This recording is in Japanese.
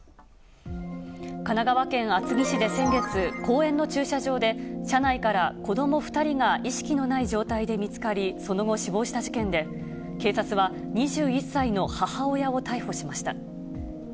神奈川県厚木市で先月、公園の駐車場で、車内から子ども２人が意識のない状態で見つかり、その後、死亡した事件で、警察は、２１歳の母親を逮捕しました。